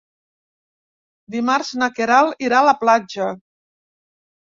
Dimarts na Queralt irà a la platja.